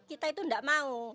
itu tidak mau